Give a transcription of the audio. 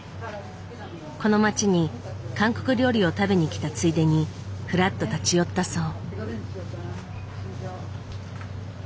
この街に韓国料理を食べに来たついでにふらっと立ち寄ったそう。